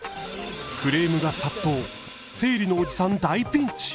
クレームが殺到生理のおじさん大ピンチ！